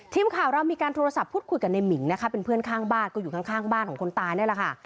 ทีมข่าวเรามีการโทรศัพท์พูดคุยกับในหมิงนะคะเป็นเพื่อนข้างบ้านก็อยู่ข้างบ้านของคนตายนี่แหละค่ะ